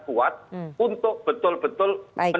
kuat untuk betul betul